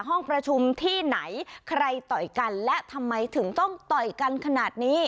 ห้องประชุมที่ไหนใครต่อยกันและทำไมถึงต้องต่อยกันขนาดนี้